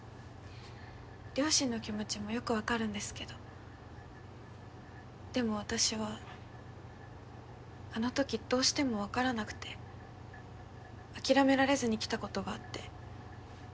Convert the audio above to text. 両親の気持ちもよくわかるんですけどでも私はあのときどうしてもわからなくて諦められずにきたことがあって。